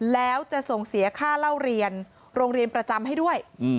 แล้วจะส่งเสียค่าเล่าเรียนโรงเรียนประจำให้ด้วย